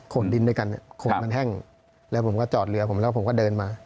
ดินด้วยกันขนมันแห้งแล้วผมก็จอดเรือผมแล้วผมก็เดินมา